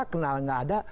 kenal gak ada